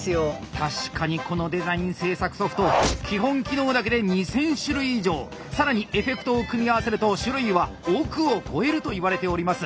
確かにこのデザイン制作ソフト更にエフェクトを組み合わせると種類は億を超えるといわれております。